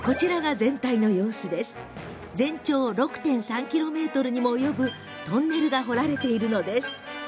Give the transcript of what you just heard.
全長６．３ｋｍにも及ぶトンネルが掘られているのです。